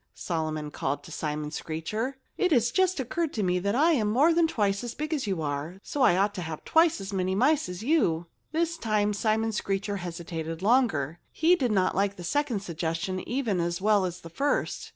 Solomon called to Simon Screecher. "It has just occurred to me that I am more than twice as big as you are; so I ought to have twice as many mice as you." This time Simon Screecher hesitated longer. He did not like the second suggestion even as well as the first.